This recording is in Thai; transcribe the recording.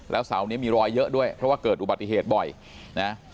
แล้วเสานี้มีรอยเยอะด้วยเพราะว่าเกิดอุบัติเหตุบ่อยนะ